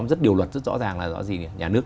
rất điều luật rất rõ ràng là rõ ràng là nhà nước